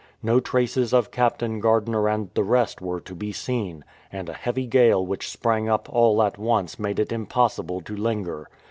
No traces of Captain Gardiner and the rest were to be seen, and a heavy gale which sprang up all at once made it impossible to linger.